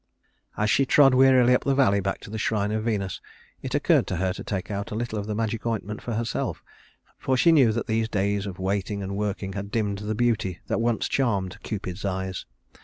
As she trod wearily up the valley back to the shrine of Venus, it occurred to her to take a little of the magic ointment for herself, for she knew that these days of waiting and working had dimmed the beauty that once charmed Cupid's eyes.